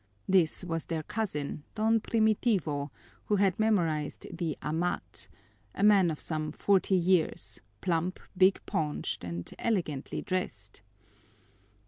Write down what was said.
This was their cousin, Don Primitivo, who had memorized the "Amat," a man of some forty years, plump, big paunched, and elegantly dressed.